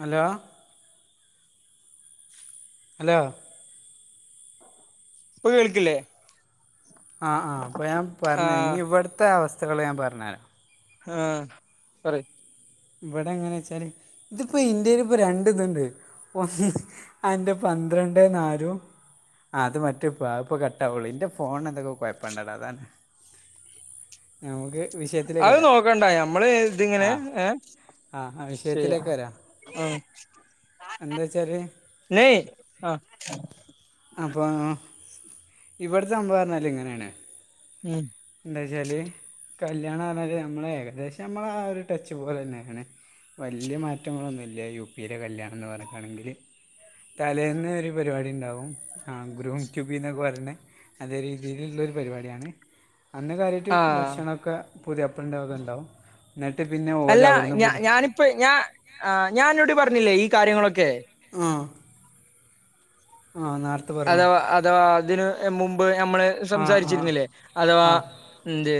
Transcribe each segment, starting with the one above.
Hello hello ഇപ്പൊ കേൾക്കില്ലേ ആ ആ അപ്പോ ഞാൻ പർഞ് ആഹ് ഞ്ഞി ഇവ്ട്ത്തെ അവസ്ഥകള് ഞാൻ പർഞ്ഞെരാ ആ പറയ് ഇവടെ എങ്ങനെച്ചാല് ഇതിപ്പോ ഇന്ത്യല്പ്പോ രണ്ട്ത്ണ്ട് ഒന്ന് അന്റെ പന്ത്രണ്ടേ നാലും ആ അത് മറ്റേ പാ ഇപ്പ കട്ടാവുള്ളൂ ഇന്റെ ഫോണെന്തൊക്കെ കൊഴപ്പണ്ടടാ അതാണ് നമ്മക്ക് അത് നോക്കണ്ടാ ഞമ്മള് [unintelligible] ങ്ങനെ ആ ഏ ആ ആ ചെയ്യാ വിഷയത്തിലേക്ക് വെരാ ഉം എന്താച്ചാല് ഇന്നേ ആ അപ്പോ ഇവ്ട്ത്തെ സംഭവർഞാല് ഇങ്ങനെണ് ഉം എന്താച്ചാല് കല്ല്യാണം പർഞ്ഞാല് നമ്മളേകദേശം നമ്മളാ ഒരു ടച്ച് പോലെന്നെണ് വല്യ മാറ്റങ്ങളൊന്നുല്ല യുപി ലെ കല്യാണംന്ന് പർഞ്ക്കാണെങ്കില് തലേന്ന് ഒരു പരിപാടിണ്ടാവും ആ ഗ്രൂം റ്റുബിന്നൊക്കെ പറയ്ണെ അതേരീതിയിലുള്ള ഒരു പരിപാടിയാണ് അന്ന് കയറിയിട്ട് ആഹ് ഭക്ഷണൊക്കെ പുതിയാപ്ലേന്റ്റവിടെയുണ്ടാവും എന്നിട്ട് പിന്നെ ഓല് അവിടെന്ന് പുതി അപ്പഴേ ഞാ ആ ഞാൻ അന്നോടുപറഞ്ഞില്ലേ ഈ കാര്യങ്ങളൊക്കെ ആ ആ നാ അഥവാ അഥവാ അതിനുമുമ്പ് ഞമ്മള് ആ ആ സംസാരിച്ചിരുന്നില്ലേ അഥവാ ആ എന്ത്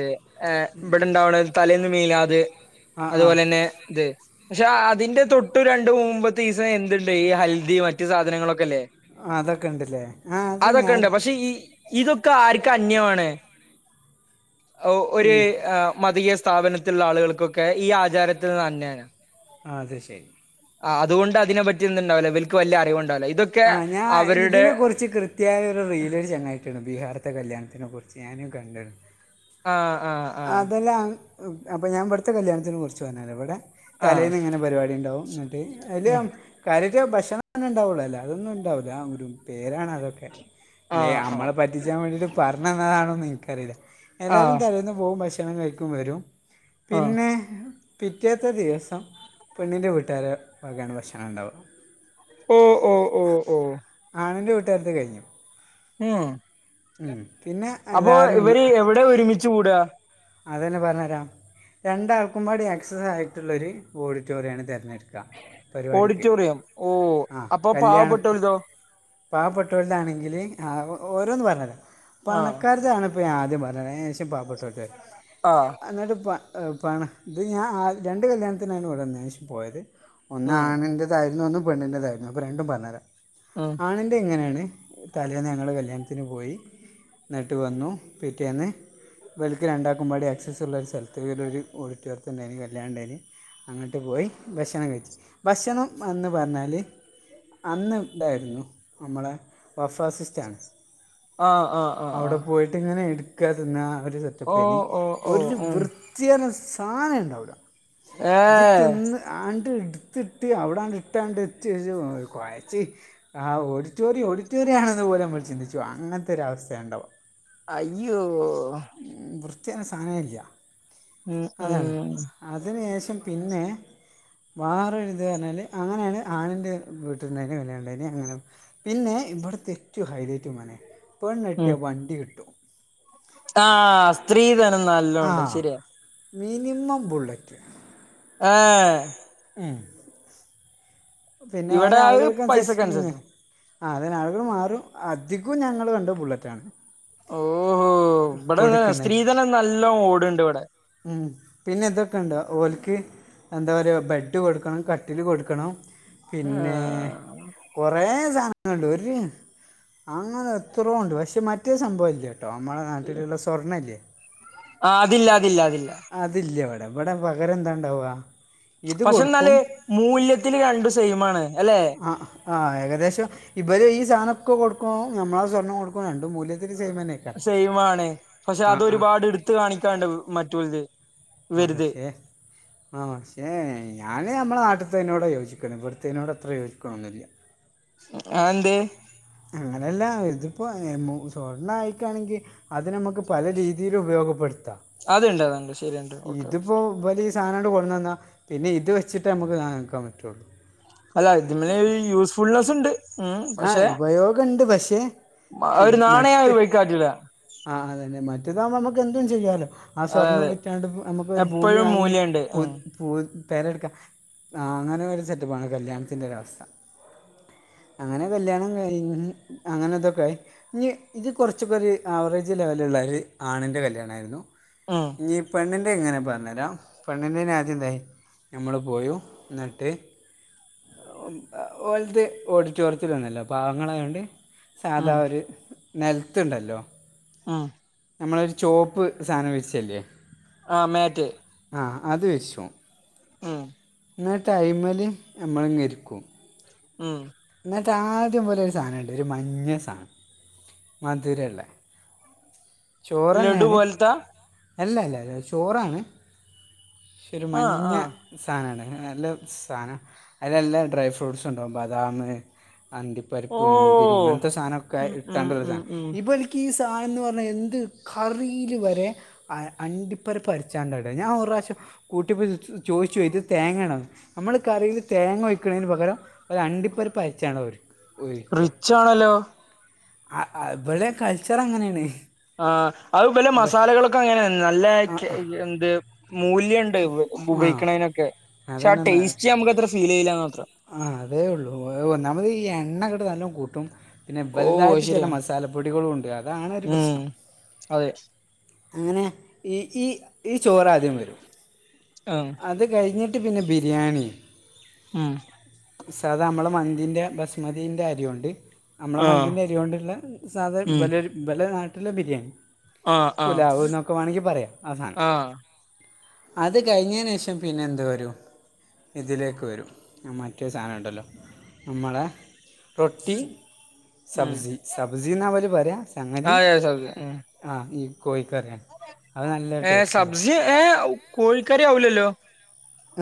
ഏ ഇവിടൊണ്ടാവണ തലേന്ന് മീലാദ് ആ ആ അതുപോലെതന്നെ ഇത് പക്ഷെ അതിന്റെതൊട്ട് രണ്ട് മുമ്പത്തീസം എന്തുണ്ട് ഈ ഹൽദി മറ്റു സാധനങ്ങളൊക്കെയല്ലേ ആ അതൊക്കെണ്ടല്ലേ അതൊക്കെണ്ട് പക്ഷേ ഈ ഇതൊക്കെ ആർക്ക് അന്യമാണ് ഈ ഒരു ആ മദീയ സ്ഥാപനത്തിലുള്ള ആളുകൾക്കൊക്കെ ഈ ആചാരത്തിനിന്നുതന്നെയാണ് ആ അതുശെരി ആ അതുകൊണ്ട് അതിനെപറ്റി എന്തുണ്ടാവില്ലാ ഇവൽക്ക് വലൃ അറിവുണ്ടാവില്ലാ ഇതൊക്കെ അവരുടെ ച്ച് കൃത്യമായ ഒരുറീല് ഒരു ചങ്ങായി ഇട്ടിരുന്നു ബീഹാറത്തെ കല്യാണത്തിനെക്കുറിച്ച് ഞാനും കണ്ടയാണ് ആ ആ ആ അതെല്ലാം അപ്പൊ ഞാൻ ഇവിടത്തെ കല്യാണത്തിനെക്കുറിച്ച് പറഞ്ഞുതരാം ഇവിടെ ആ തലേന്നിങ്ങനെ പരിപാടിയുണ്ടാവും എന്നിട്ട് അതില് ഉം. കാര്യായിട്ട് ഭക്ഷണം തന്നെയുണ്ടാവുള്ളൂ അല്ലാതൊന്നും ഉണ്ടാവില്ല ഒരു പേരാണ് അതൊക്കെ ആ ആ ഞമ്മളെ പറ്റിച്ചാൻ വേണ്ടിട്ട് പറഞ്ഞതന്നതാണോന്ന് എനിക്കറിയില്ല ആ എല്ലാരും തലേന്നു പോകും ഭക്ഷണംകഴിക്കും വരും ആ പിന്നെ പിറ്റേത്തെ ദിവസം പെണ്ണിൻ്റെ വീട്ടുകാര് വകയാണ് ഭക്ഷണം ഉണ്ടാവുക ഓ ഓ ഓ ഓ ആണിന്റെ വീട്ടുകാരത്തെ കഴിഞ്ഞു ഉം ഉം പിന്നെ അപ്പൊ എല്ലാവരും ഇവര് എവിടെയാ ഒരുമിച്ചുകൂടുകാ അതുതന്നെ പറഞ്ഞുതരാം രണ്ടാൾക്കുംപാടി ആക്സസായിട്ടുള്ളൊരു ഓഡിറ്റോറിയമാണ് തിരഞ്ഞെടു ഓഡിറ്റോറിയം ഓ അപ്പൊ പാവപ്പെട്ടോൽക്കോ പാവപ്പെട്ടൊൽതാണെങ്കില് ആ ഓരോന്നു പറഞ്ഞുതരാം ആ പണക്കാരതാണ് ഇപ്പം ഞാൻ ആദ്യംപറഞ്ഞുതരാം അയ്നുശേഷം പാവപ്പെട്ടോൽതെ ആ എന്നിട്ട് പ പണ ഇത്ഞാൻ ആ രണ്ട് കല്യാണത്തിനാണ് ഇവിടെ വന്നേൻ്റേശേഷം പോയത് ഒന്ന് ഉം ആണിൻ്റെതായിരുന്നു ഒന്ന് പെണ്ണിൻ്റെതായിരുന്നു അപ്പൊ രണ്ടും പറഞ്ഞുതരാം ഉം ആണിൻ്റെ ഇങ്ങനെയാണ് തലേന്ന് ഞങ്ങള് കല്യാണത്തിനുപോയി എന്നിട്ടുവന്നു പിറ്റേന്ന് രണ്ടാക്കുമ്പാടെ ആക്സസ്സ് ഉള്ള ഒരു സ്ഥലത്ത് ഒരു ഓഡിറ്റോറിത്തന്നെ കല്യാണം ഉണ്ടായിന് അങ്ങോട്ടുപോയി ഭക്ഷണം കഴിച്ച് ഭക്ഷണം എന്നു പറഞ്ഞാല് അന്ന് ഇതായിരുന്നു നമ്മളെ ബൊഭാസിസ്റ്റാണ് ആ ആ ആ ആ അവിടെ പോയിട്ടിങ്ങനെ എടുക്കാ തിന്നാ ആ ഒരു ഓ സെറ്റപ്പേയ്നി ഓ ഓ ഒരു ഉം വൃ ർത്തി പറഞ്ഞ സാധനൊണ്ടാവുല്ല ഇജ് ഏഹ് തിന്ന് ആണ്ട് എടുത്തിട്ട് അവിടാണ്ട് ഇട്ടാണ്ട് ച്ച്ജ് കൊഴച്ച് ആ ഓഡിറ്റോറിയം ഓഡിറ്റോറിയാണോന്നുപോലും നമ്മൾ ചിന്തിച്ചുപോകും അങ്ങനത്തെ ഒരു അവസ്ഥയായൊണ്ടാവാ അയ്യോ ഉം വൃത്തിപറഞ്ഞ സാധനം ഇല്ല ഉം ഉം അതിനു ശേഷം പിന്നെ വാറെ ഒര്ത് പറഞ്ഞാൽ അങ്ങനെആണ് ആണിൻ്റെ വീട്ടിന്ന്ന്നെ കല്ല്യാണം ഉണ്ടായിനെ അങ്ങനെ പിന്നെ ഇവിടെ തെറ്റു ഹൈലേറ്റ് മൊനേ ഉം പെണ്ണെട്ടിയ വണ്ടി കിട്ടും ആഹ് സ്ത്രീധനം ആ നല്ലോംണ്ട് ശരിയ മിനിമം ബുള്ളെറ്റ് ഏ ഉം പിന്നെ ഓരോ ഇവിടെ അത് ആളുകൾക്ക് അനുസരിച്ച് പൈസക്ക് നിന്ന് അനുസരിച്ചാ ആ അതെന്നെ ആൾകൾ മാറും അധികും ഞങ്ങൾ കണ്ടത് ബുള്ളറ്റാണ് ഓഹോ ബാടദ കൊടുക്കുന്നത് സ്ത്രീധനം നല്ലം ഓട്ണ്ട് ഇവിടെ ഉം പിന്നെ ഇതൊക്കെ ഉണ്ടോ ഓല്ക്ക് എന്താ പറയാ ബ്രെഡ് കൊടുക്കണം കട്ടില് കൊടുക്കണം പിന്നെ ആഹ് കുറേ സാധനങ്ങളുണ്ട് ഒര് അങ്ങനെ എത്രോ ഉണ്ട് പക്ഷേ മറ്റേ സംഭവം ഇല്യ ട്ടോ നമ്മളെ നാട്ടിലുള്ള സ്വർണല്ല്യേ ആഹ് അതില്ല അതില്ല അതില്ല അതില്യ ഇവിടെ ഇവിടെ പകരം എന്താണ്ടാവാ പക്ഷെ എന്നാല് മൂല്യത്തില് രണ്ടും സെയ്മാണ് അല്ലെ ആഹ് ആഹ് ഏകദേശം ഇവര് സാധനൊക്കെ കൊടുക്ക്ണോം നമ്മളെ സ്വർണം കൊടുക്കുണോം രണ്ടും മൂല്യത്തില് സേമന്നെ സെയിമാണ് പക്ഷെ അതൊരുപാട് എടുത്ത് കാണിക്കാണ്ട് മറ്റൊല്ത് ആഹ് പക്ഷേ ആ പക്ഷേ ഞാൻ നമ്മളെ നാട്ടിത്തിനോടാ യോജിക്കണെ ഇവിടുത്തീനോട് അത്ര യോജിക്ക്ണൊന്നുല്യ ആഹ് അത് എന്തേ അങ്ങനെയല്ല ഇതിപ്പോ സ്വർണം ആയിക്കായാണെങ്കിൽ അത് നമുക്ക് പല രീതിൽ ഉപയോഗപ്പെടുത്താം അതുണ്ട് അതുണ്ട് ശരിയുണ്ട് ഓക്കെ ഓക്കെ ഇതിപ്പോ വൽ ഈ സധനട്ട് കൊട്ന്ന്ന്നാ പിന്നെ ഇത് വെച്ചിട്ടേ നമുക്ക് സാധനം എടുക്കാൻ പറ്റൊള്ളൂ അല്ല ഇതിമെ ഒരു യൂസ്ഫുൾനെസ്സ് ഉണ്ട് ഉം ആ പക്ഷെ ഉപയോഗമുണ്ട് പക്ഷേ ഒരു നാണയമായി ഉബയ്ക്കാൻ പറ്റൂല ആഹ് അതന്നെ മറ്റേതാകുബോ നമ്മക്ക് എന്തും ചെയ്യാലോ ആ അതെ സ്വർണം അതെ വിറ്റാണ്ട് നമുക്ക് ഒരു ഭൂമി എപ്പോഴും വാങ്ങി മൂല്യണ്ട് ഉം [unintelligible] പൂ പേരെടുക്കാം ആ അങ്ങനെ ഒരു സെറ്റപ്പാണ് കല്യാണത്തിൻ്റെ ഒരവസ്ഥ അങ്ങനെ കല്യാണം കഴിഞ്ഞ് അങ്ങനെ ഇതൊക്കെയി ഇഞ്ഞ് ഇത് കുറച്ചൊക്കെ ഒരു ആവറേജ് ലെവലുള്ള ഒരു ആണിൻ്റെ കല്യാണയിരുന്നു ഉം ഞ്ഞി പെണ്ണിൻ്റെങ്ങനെ പറഞ്ഞെരാ പെണ്ണിന്റെന് ആദ്യംന്തായി മ്മള് പോയൊ ന്നിട്ട് ഓലത് ഓടി ഡിറ്റോറിയത്തിലൊന്നല്ല പാവങ്ങളായോണ്ട് സാധാ ഉം ഒരു നൽത്ണ്ടല്ലോ ഉം നമ്മളൊരു ചോപ്പ് സാനം വിരിച്ചയില്ലേ ആഹ് മേറ്റ് അ അത് വെശം ഉം ന്ന്ട്ടയ്മല് ഞമ്മള് ഞെരുക്കും ഉം എന്നിട്ട് ആദ്യംപോലെ ഒരു സാധനയുണ്ട് ഒര് മഞ്ഞ സാധനം മധുരമുള്ളെ - ചോറ് ലഡു തന്നെയാണ് പോലത്താ അല്ല ല്ല അല്ല ചോറാണ്? പക്ഷെ ഒരു ആ മഞ്ഞ ആ സാധനാണ് നല്ല സാധനം അയ്ല് നല്ല ഡ്രൈ ഫ്രൂട്ട്സ്ണ്ടാവും ബദാമ് ഓ അണ്ടിപ്പരിപ്പ് മുന്തിരി ഇങ്ങനത്തെ സാധനൊക്കെ ഉം ഉം ഇട്ടോണ്ടൊര് ഉം സാധനം ഉം ഇപ്പ - ഈ സാധനൊന്ന് പറഞ്ഞാ എന്ത് കറില് വരെ- അ അണ്ടിപ്പരിപ്പ് അരാച്ചാൽ ഒണ്ടല്ലോ ഞാന് ഒറു പ്രാവശ്യം - കൂട്ടിപ്പോ ചോദിച്ചു ഇത് തേങ്ങയാണൊ നമ്മള് കറില് തേങ്ങ ഒഴിക്കെന്ന് പകരം- ഒരു അണ്ടിപ്പരിപ്പ് അയച്ചുകാണും അവര് റിച്ചാണല്ലോ അഹ് ആഹ് ഇവിടെ കൾച്ചറ് അങ്ങനെയാണ്. ആഹ് അഹ് അത് പിന്നെ ഇവ- മസാലകളൊക്കെ അങ്ങനാണ് നല്ല ആ കെ എന്ത് മൂല്യം- ണ്ട് ആ ഉപയോഗിക്കെണെനൊക്കെ പക്ഷെ ആ ടെസ്റ്റ്‌ നമ്മക് ഫീല് ലമാത്രം. ആഹ് അതേ ഉള്ളൂ ഓ ഒന്നാമതീ എണ്ണ അങ്ങട് നല്ലയോണം കൂട്ടും. പിന്നെ ഓ അത് വലുതായിട്ട് ചെല ശരിയാ മസാലപൊടികളുണ്ട് അതാണ് ഒരുപ്രശ്നം. മസാലപ്പൊടികളും ഉണ്ട് അതാണ് ഒരു ഉം പ്രശ്നം അതെ. അങ്ങനെ ഇ [unintelligible] ഇ ഈ ചോറാദ്യം വരും. ആഹ് അത് കഴിഞ്ഞിട്ട് പിന്നെ ബിരിയാണി. ആഹ് സാധ നമ്മള് മന്തിൻ്റെ ബസ്മതീന്റെ അരി കൊണ്ട്. അമ്മളെ ആഹ് മന്തിൻ്റെ അരിയോണ്ടുള്ള സാധാ ഉം ഇവരെ നാട്ടിലെ ബിരിയാണി. ആഹ് ആഹ് പുലാവ് എന്നൊക്കെ വേണൊങ്കി പറയാ ആ സാധനം. ആഹ് അത് കഴിഞ്ഞെനു ശേഷം പിന്നെ പിന്നെ എന്ത് വരും ഇതിലേക്ക് വരും മറ്റേ സാനധയിണ്ടല്ലോ നമ്മളെ - റൊട്ടി ഉം സബ്സി സബ്സീന്നാ അവര് പറയാ സംഗതി- അതെ സബ്ജ ഉം ആ ഈ കോഴിക്കറിയാ അത് നല്ല ഏഹ് ടേസ്റ്റ് ഒണ്ട് സബ്ജി ഏഹ് കോഴിക്കറി ആവൂലല്ലോ.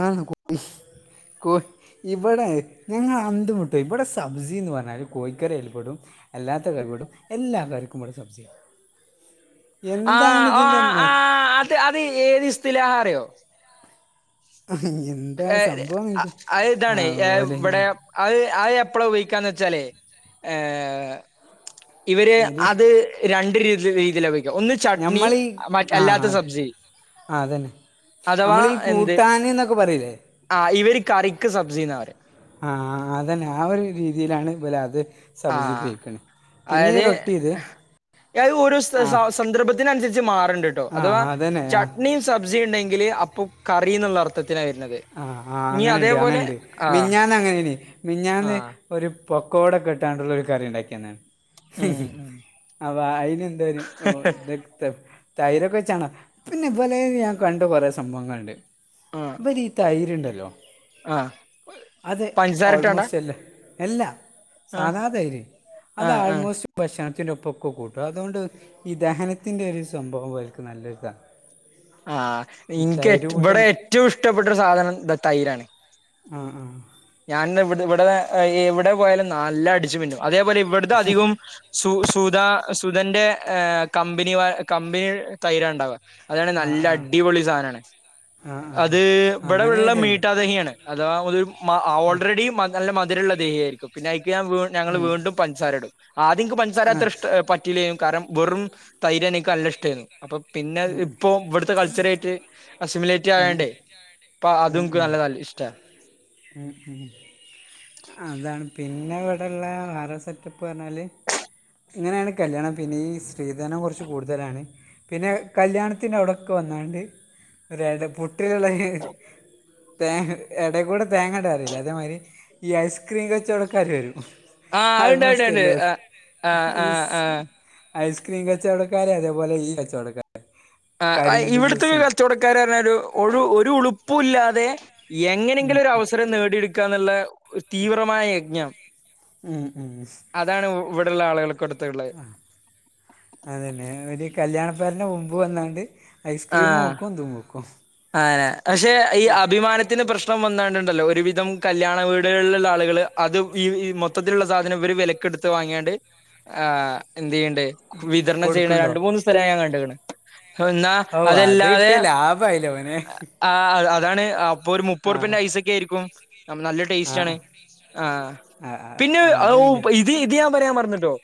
ആഹ് ഹാ കോഴി - ഇവടെ ഞങ്ങള് അന്തം വിട്ടു പോയി ഇവടെ സബ്‌സീന്ന് പറഞ്ഞാ കോഴികറി അയ്ല് പെടും. അല്ലാത്ത കറികളും എല്ലാ കറിക്കും ഇവിടെ സബ്സിയാ ആഹ് ഓഹ് ആ അത് അത് ഏത് ദി വസത്തിലാന്നറിയോ [unintelligible] ഏഹ് സംഭവം അത് നിങ്ങൾക്ക് അഹ് ആ ഇതാണ് ഏഹ് ഓലെ ഇവടെ- അത് അത് എപ്പളാ ഉപയോഗിന്ന് വെച്ചാലേ- ഇവര് ഒരു അത് രണ്ട് രീതീയിലാ വെയ് - ക്കാ ഒന്ന് ചട്നി നമ്മൾ മറ്റെ അല്ലാത്ത സബ്സി ആഹ് അതെന്നെ അമ്മളീ എന്ത് കൂട്ടാന്ന്നൊക്കെ പറയൂലേ ആഹ് ഇവര് കറിക്ക് സബ്സീന്നാ പറയാ ആ അതന്നെ ആ ഒരു രീതിയിലാണ് ഇവിടെ അത് ആ സബ്ജി ഉപയോഗിക്കണേ പിന്നെ ഈ അതായത് റൊട്ടി ഇത് അത് ഒരു ദെ ആ വസത്തെ സന്ദർഭ അതിനനുസരിച്ച് മാറണുണ്ട്‌ ട്ടോ ആ അഥവാ അതന്നെ ആ ചട്നിയു സബ്‌സി ഇണ്ടെങ്കിൽ, അപ്പൊ കറി എന്നുള്ള അർത്ഥത്തിനാണ് വരുന്നത് സ - ആഹ് ആഹ് അങ്ങനെയുണ്ട് അങ്ങനെയുണ്ട്, മിഞ്ഞാന്ന് അങ്ങനെയാണ് ആ മിഞ്ഞാന്ന് ഒരു പൊക്കോവടയൊക്കെ ഇട്ടാട്ടുള്ളൊ ഒരു കറി ഉണ്ടാക്കിയന്നാണ്. ഉം ഉം അപ്പ അയിന് എന്ത [unintelligible] തൈരൊക്കെച്ചാണ് പിന്നെ വലേല് ഞാൻ കണ്ട കൊറെ സംഭവങ്ങള്ണ്ട്. ആ തൈര്ണ്ടല്ലോ, ആ അതെ പഞ്ചസാര ഇട്ട് വേണ്ട ഓൾമോസ്റ്റ് അല്ലേ എല്ല ആ സാധാ തൈര് ആ അത് ആ ആൾമോസ്റ്റ് ഭക്ഷണത്തിൻ്റെ ഒപ്പൊക്കെ കൂട്ടും. അതുകൊണ്ട് ഈ ദഹനത്തിന്റെ ഒരു സംഭവം വൽക്ക് നല്ലൊര്താ. ആഹ് എനിക്ക് കൂട്ടൻ ഇവിടെ ഏറ്റവും ഇഷ്ടപ്പെട്ടരു സാധനം തൈരാണ്. ആഹ് ആഹ് ഞാൻന്ന് ഇവിടെ ഇവിടെ എ എവിടെ പോയാലും, നല്ല അടിച്ചു മിന്നും അതേപോലെ ഇവിടുത്തെ അധികവും സു സുധ സുധന്റെ ഏഹ് കമ്പനി കമ്പനി തൈരാണ്ടാവ അതാണ് ആ ആ നല്ല ആ അടിപൊളി സാനാണ്. ആ ആ അത് ആ ഇവിടെ അങ്ങനെ വ്ള്ള ഇതുണ്ട് മീട്ടാതേങ്ങയാണ് അഥവാ ഒരു ആഹ് ആ ഓൾറെഡി മ നല്ല മധരള്ള ദേഹിയായിരിക്കും, പിന്നെ അയിക്ക് ഞാൻ വീ ഞങ്ങൾ ഉം. വീണ്ടും പൻസാര ഇടും ആദ്യംക്ക് പൻസാരത്ര അതെ ഇഷ്ട പറ്റില്ലേനു കാരണം വെറും തൈര് എനിക്ക് നല്ല ഇഷ്ടയിരുന്നു. അപ്പൊ പിന്നെ ഉം ഇപ്പൊ ഇവിടുത്തെ കൾച്ചർ ആയിട്ട് അസിമിലേ ഉം ഉം ഉം റ്റായോണ്ട് അപ്പ ഉം അതുംക്ക് നല്ലതല്ല ഇഷ്ട ഉം ഉം അതാണ് പിന്നെ ഇവിടെള്ള വറെ സെറ്റപ്പ് പറഞ്ഞാല്. ഇങ്ങനെയാണ് കല്യാണം പിന്നെ ഈ സ്ത്രീധനം കുറച്ച് കൂടുതലാണ്. പിന്നെ കല്യാണത്തിൻ്റെ അവിടക്ക വന്നാണ്ട്. രേടെ പുട്ടിലുള്ള തേ എടേ കൂടെ തേങ്ങയിടാറില്ലേ അതേമാതിരി ഈ ഐസ്ക്രീം കച്ചവടക്കാര് വരും. ആഹ് ഹൾ അത് ഇണ്ട് അത് മോസ്റ്റ് ഇണ്ട് എല്ലോ ആഹ് ആഹ് സ്‌ ആഹ് ഐസ്ക്രീം കച്ചവടക്കാര് അതേപോലെ ഈ കച്ചവടക്കാര്. ആഹ് അയ് ഇവിടുത്തെ കച്ചവട ക്കാരാർഞ ഒരു ഒഴു ഉളുപ്പു ഇല്ലാതെ എങ്ങനെങ്കിലും ഒരു അവസരം നേടിയെടു ക്കാന്നുള്ള തീവ്രമായ യജ്ഞം. ഉം ഉം അതാണ് ഇവിടുള്ള ആളുകൾക്ക് കൊടുത്തുള്ള അതന്നെ ഒരു കല്യാണപ്പരന്റെ മുമ്പ് വന്നാണ്ട് ഐസ്ക്രീമും വെക്കും ഇതു വെക്കും. ആഹ് പക്ഷെ ഈ അഭിമാനത്തിൻ്റെ പ്രശ് പ്പം വന്നാണ്ട്ണ്ടല്ലോ ഒരുവിധം കല്യാണ വീടുകളിലുള്ള ആളുകൾ അത് ഈ മൊത്തത്തിലുള്ള സാധനം ഇവർ വെല ക്കെടുത്ത് വാങ്ങിയാണ്ട്, ആഹ് എന്തയ്യേണ്ടഹ് വിതരണം ചെയ്യണ കൊടുക്ക്ണ്ടോ രണ്ട് മൂന്ന് സ്ഥലം ഞാൻ കണ്ട്ണ്. ഹൊ ഇന്നാ അതല്ലാതെ ആപ്പായി ലവനെ ആഹ് അതാണ് അ പ്പൊ ഒരു മുപ്പോറുപ്പിന്റെ ഐസൊക്കെ ആയിരിക്കും നല്ല ടേസ്റ്റ് ആണ് ആഹ് ആഹ് ആഹ് പിന്നെ അത്ണ്ട് ഇത് ഇത് ഞാൻ പറയാൻ മറന്നിട്ടോ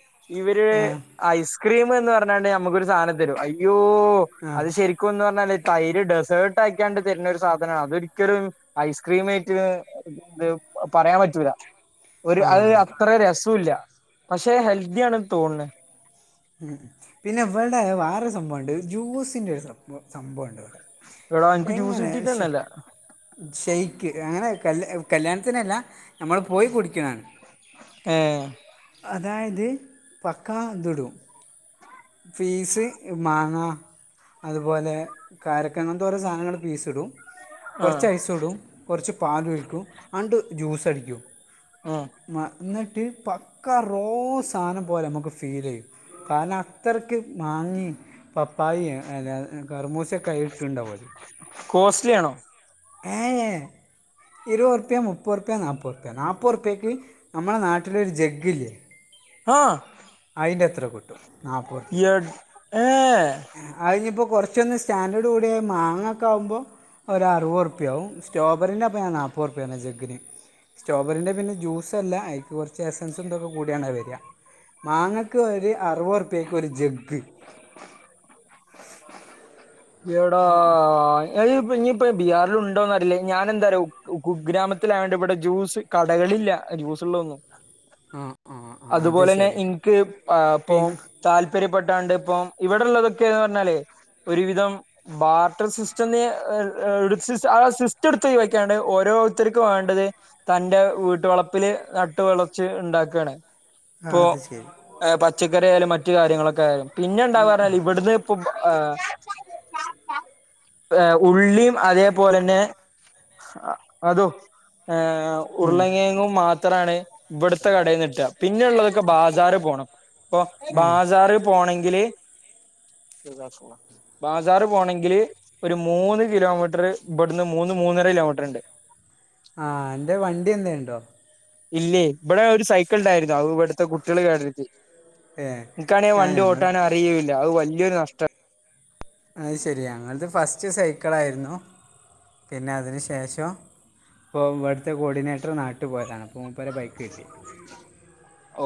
ഇവര് ആഹ് ഐസ് ക്രീമ് എന്ന് പറഞ്ഞാണ്ട് നമുക്കൊരു സാനം തരും. അയ്യോ! അത് ആഹ് ശരിക്കുംന്ന് പറഞ്ഞാല് തൈ ഇ ഡെസേർട്ട് ആയ്ക്കാണ്ട് തരുന്ന ഒരു സാധനാ. അതൊരിക്കലും ഐസ്ക്രീം ആയിട്ട് ഇത് പറയാൻ പറ്റൂല. ഒരു അഹ് ആഹ് അത്ര രസൂല്ല പക്ഷെ ഹെൽത്തി ആണ് തോൺണ്. ഉം പിന്നെ ഇവിടെ വേറൊരു സംഭവുണ്ട് ജ്യൂസിന്റെ ഒരു സംഭവ സംഭവംണ്ട് ഇവിടെ എടാ എനിക്ക് ജ്യൂസ് എങ്ങനെ ശെ കിട്ടീട്ടെന്നെല്ല. ഷെയ്ക്ക്. അങ്ങനെ കൽ കല്യാണത്തിനല്ല. നമ്മള് പോയി കുടിക്ക്‌ണാണ് ഏ അതായത് പക്കാതു ടും പീസ് മാങ്ങ അതുപോലെ കാരക്ക അങ്ങനത്തെ ഓരോ സാധനങ്ങങ്ങള് പീസ് ഇടും ആ കുറച്ച് ഐസ് ഇടും കുറച്ച് പാല് ഒഴിക്കും അണ്ട് ജ്യൂസ് അടിക്കും ആഹ് എന്നിട്ട് പക്ക റോ സാനം പോലെ നമുക്ക് ഫീൽ ചെയ്യും കാരണംഅത്രയ്ക്ക് മാങ്ങി പപ്പായ അല്ല കറമൂശൊക്കെ ഇട്ടുണ്ടാവും കോസ്റ്റ്ലി ആണോ ഏഹ് ഏ ഇരുപത്റുപിയ മുപ്പത് റുപ്പിയ നാപ്പത് റ്റുപ്പ്യ നാപ്പത് റുപ്യയ്ക്ക് നമ്മുടെ നാട്ടിലൊരു ജഗില്ലെ ആഹ അയിൻ്റെ എത്ര കിട്ടും ഇട് ഏ അതിനി ഇപ്പോൾ കുറച്ചൊന്ന് സ്റ്റാൻഡേർഡ് കൂടിയ മാങ്ങ ഒക്കെ ആകുമ്പോൾ ഒരു അറുപത് റുപ്യയാവും റ്റോബറിന്റെപഴ നാൽപ്പത്തുറു പ്യയ ജഗിന് സ്ട്രോബെറിന്റെപിന്നെ ജ്യൂസ് അല്ല അനിക്ക് കുറച്ച് എസൻസും ഇതൊക്കെ കൂടിയാണ്ത് വരിക മാങ്ങയ്ക്ക് ഒരു അറുപത്റുപ്പേക്ക് ഒരു ജഗ് എടാ [unintelligible] ഇനി ഇപ്പ ബിഹാൽ ഉണ്ടോന്നറിയില്ല ഞാന എന്താ ര കു ഗ്രാമത്തിലായോണ്ട് ഇവിടെ ജ്യൂസ് കടകളില്ല ജൂസ് ഉള്ളൊന്നും ആ ആ ആ, അത് അതുപോലെന്നെ ശരി ഇനിക്ക് ഇപ്പൊ പിന്നെ താല്പര്യപ്പെട്ടാണ്ട് ഇപ്പം ഇവിടെള്ളതൊക്കെന്ന് പറഞ്ഞാലേ ഒരുവിധം ബാർട്ടർ സിസ്റ്റം സിസ്റ്റം എടുത്ത് ഒഴിവാക്കാണ്ട് ഓരോ ഒത്തിർക്ക് വേണ്ടത് തൻന്റെ വീട്ടുവളപ്പില് നട്ട് വളച്ച് ഉണ്ടാക്കയാണ് ആ അത് ശരി പച്ചക്കറിയാലും മറ്റു കാര്യങ്ങളൊക്കെ ആയാലും പിന്നെ എണ്ടാ പറഞ്ഞാൽ ഇവിടുന്ന് ഇപ്പം ഉള്ളിയും അതേപോലെ തന്നെ ഹ അതോ ആഹ് ഉം. ഉരുള കിഴങ്ങും മാത്രമാണ് ഇവിടുത്തെ കടയിൽ കിട്ടുക പിന്നെള്ളതൊക്കെ ബാസാർ പോകണം അപ്പ ഏ ബാസാറി പോണെങ്കില് ബാസാർ പോകണെങ്കില് ഒരു മൂന്ന് കിലോമീറ്റർ ഇവിടുന്ന് മൂന്ന് മൂന്നര കിലോമീറ്റർ ഉണ്ട് ആഹ എന്റെ വണ്ടി എന്ത ഉണ്ടോ ഇല്ലേ ഇവിടെ ഒരു സൈക്കിൾ ഉണ്ടായിരുന്നു അത് ഇവിടുത്തെ കുട്ടികൾ കേട് വരത്തി ഏ എനിക്കാണെൽ ഞാൻ വണ്ടി ഞങ്ങൾ ഓട്ടാന അറിയല്ല അത് വലിയൊരു നഷ്ട അത് ശരി ഞങ്ങത് ഫസ്റ്റ് സൈക്കിള ആയിരുന്നു പിന്നെ അതിന് ശേഷം ഇപ്പോൾ ഇവിടുത്തെ കോർഡിനേറ്റർ നാട്ടിൽ പോയതാണ് അപ്പോൾ മുപ്പരെ ബൈക്ക് കിട്ടി ഓ